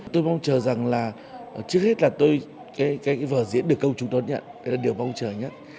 tôi mong chờ rằng là trước hết là tôi cái vở diễn được công chúng đón nhận đây là điều mong chờ nhất